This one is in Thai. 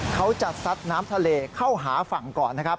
เขาจะสัดน้ำทะเลเข้าหาฝั่งก่อน